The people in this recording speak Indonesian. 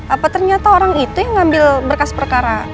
apa ternyata orang itu yang ngambil berkas perkara